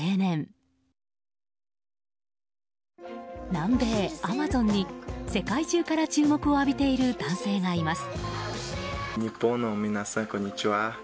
南米アマゾンに世界中から注目を浴びている男性がいます。